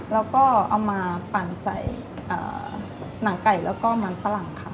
แล้วก็เอามาปั่นใส่หนังไก่แล้วก็มันฝรั่งค่ะ